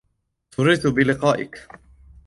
سررت بلقائک.